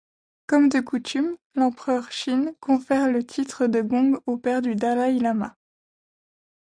Comme de coutume, l'empereur Qing confère le titre de Gong au père du dalaï-lama.